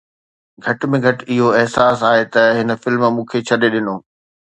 گهٽ ۾ گهٽ اهو احساس آهي ته هن فلم مون کي ڇڏي ڏنو